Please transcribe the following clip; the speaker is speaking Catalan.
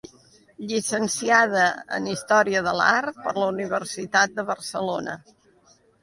Llicenciada en Història de l'Art per la Universitat de Barcelona.